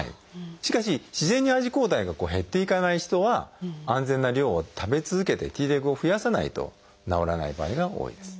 しかし自然にＩｇＥ抗体が減っていかない人は安全な量を食べ続けてＴレグを増やさないと治らない場合が多いです。